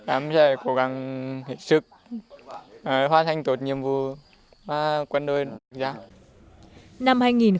em sẽ cố gắng hết sức hoàn thành tốt nhiệm vụ và quân đội